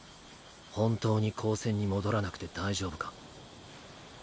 本当に高専に戻らなくて大丈夫か？